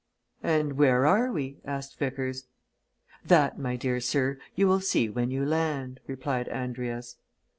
"And where are we?" asked Vickers. "That, my dear sir, you will see when you land." replied Andrius.